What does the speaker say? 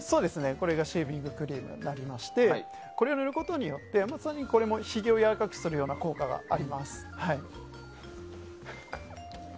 これがシェービングクリームになりましてこれを塗ることによってひげをやわらかくする効果があります。